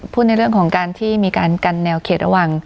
ในเรื่องของการที่มีการกันแนวเขตระวัง